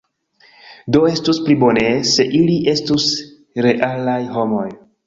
Do estus pli bone se ili estus realaj homoj.